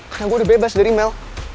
karena gue udah bebas dari mel